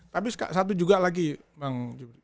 tapi satu juga lagi bang jubri